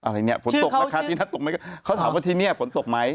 เขาถามว่าที่นี่ฝนตกไหม